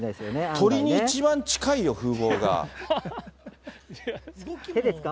鳥に一番近いよ、風貌が。